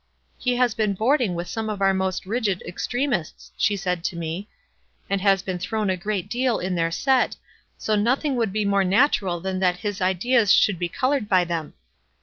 f He has been boarding with some of our most rigid extremists,' she said to me, 'and has been thrown a great deal in their set, so nothing would be more natural than that his ideas should be colored by them.'